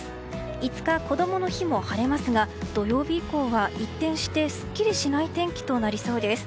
５日、こどもの日も晴れますが土曜日以降は一転してすっきりしない天気となりそうです。